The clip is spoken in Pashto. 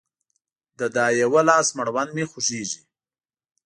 د دا يوه لاس مړوند مې خوږيږي